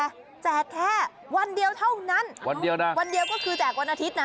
แจกแค่วันเดียวเท่านั้นวันเดียวนะวันเดียวก็คือแจกวันอาทิตย์นะ